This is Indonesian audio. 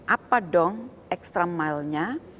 apa dong extra milenya